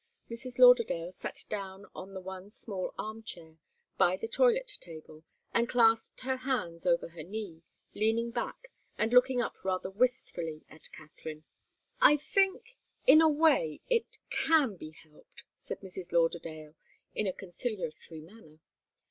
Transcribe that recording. Mrs. Lauderdale sat down in the one small arm chair, by the toilet table, and clasped her hands over her knee, leaning back, and looking up rather wistfully at Katharine. "I think in a way it can be helped," said Mrs. Lauderdale, in a conciliatory manner.